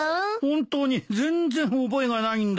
本当に全然覚えがないんだよ。